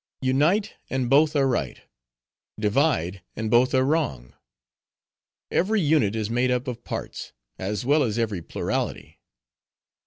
"Unite, and both are right; divide, and both are wrong. Every unit is made up of parts, as well as every plurality.